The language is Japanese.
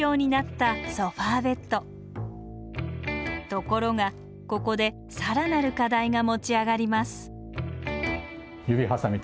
ところがここで更なる課題が持ち上がります